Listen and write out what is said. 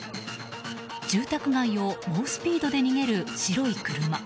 住宅街を猛スピードで逃げる白い車。